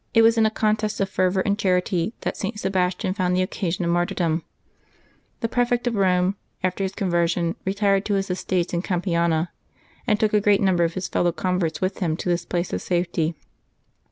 It was in a contest of fervor and charity that St. Sebastian found the occasion of martyrdom. The Prefect of Rome, after his conversion, retired to his estates in Campania, and took a great number of his fellow converts with him to this place of safety.